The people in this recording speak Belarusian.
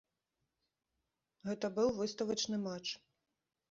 Гэта быў выставачны матч.